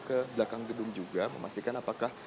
ke belakang gedung juga memastikan apakah